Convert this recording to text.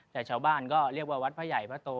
แต่ชาวบ้านก็เรียกว่าวัดพระใหญ่พระโต